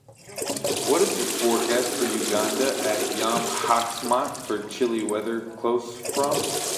what is the forecast for Uganda at Yom Ha'atzmaut for chilly weather close from